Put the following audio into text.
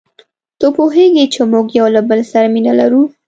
ته پوهیږې چي موږ یو له بل سره مینه لرو.